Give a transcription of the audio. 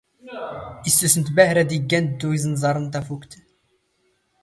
ⵉⵙⵙⵓⵙⵎ ⵜ ⴱⴰⵀⵔⴰ ⴰⴷ ⵉⴳⴳⴰⵏ ⴷⴷⵓ ⵏ ⵉⵥⵏⵥⴰⵕⵏ ⵏ ⵜⴼⵓⴽⵜ